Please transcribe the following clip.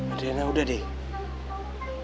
adriana udah deh